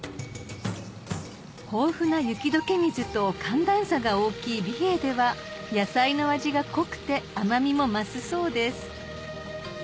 豊富な雪解け水と寒暖差が大きい美瑛では野菜の味が濃くて甘みも増すそうです